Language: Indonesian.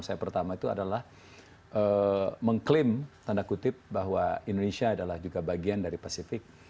saya pertama itu adalah mengklaim tanda kutip bahwa indonesia adalah juga bagian dari pasifik